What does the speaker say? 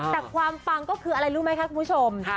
แต่ความปังก็คืออะไรรู้ไหมคะคุณผู้ชม